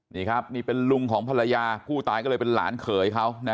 นี่เป็นลุงของเผลยาผู้ตายก็เลยเป็นหลานเขย